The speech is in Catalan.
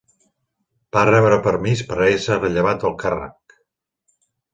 Va rebre permís per a ésser rellevat del càrrec.